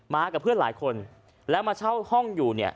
กับเพื่อนหลายคนแล้วมาเช่าห้องอยู่เนี่ย